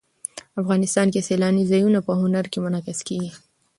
افغانستان کې سیلاني ځایونه په هنر کې منعکس کېږي.